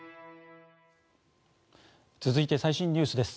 続いて最新ニュースです。